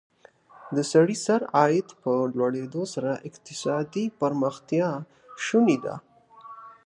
د سړي سر عاید په لوړېدو سره اقتصادي پرمختیا شونې ده.